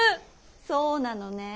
そうなのねえ。